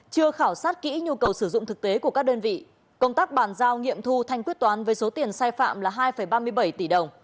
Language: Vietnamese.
chưa khảo sát kỹ nhu cầu sử dụng thực tế của các đơn vị công tác bàn giao nghiệm thu thanh quyết toán với số tiền sai phạm là hai ba mươi bảy tỷ đồng